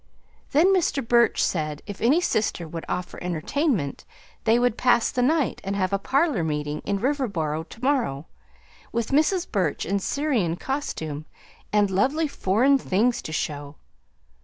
Then Mr. Burch said, if any sister would offer entertainment, they would pass the night, and have a parlor meeting in Riverboro to morrow, with Mrs. Burch in Syrian costume, and lovely foreign things to show.